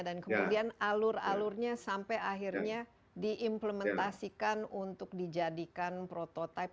dan kemudian alur alurnya sampai akhirnya diimplementasikan untuk dijadikan prototipe